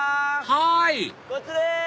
はいこっちです！